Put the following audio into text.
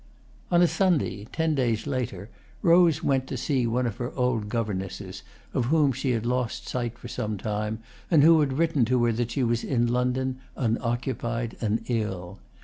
On a Sunday, ten days later, Rose went to see one of her old governesses, of whom she had lost sight for some time and who had written to her that she was in London, unoccupied and ill.